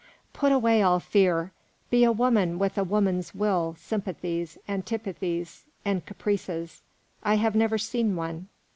Put away all fear; be a woman with a woman's will, sympathies, antipathies, and caprices. I have never seen one.